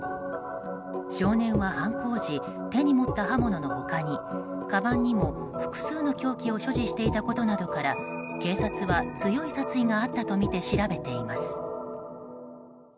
少年は犯行時手に持った刃物の他にかばんにも複数の凶器を所持していたことなどから警察は強い殺意があったとみて調べています。